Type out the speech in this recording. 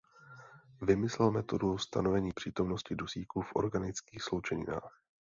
Vymyslel metodu stanovení přítomnosti dusíku v organických sloučeninách.